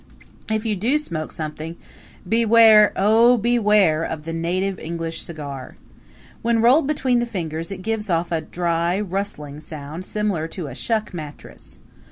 If you do smoke something, beware oh, beware! of the native English cigar. When rolled between the fingers it gives off a dry, rustling sound similar to a shuck mattress.